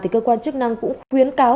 cơ quan chức năng cũng khuyến cáo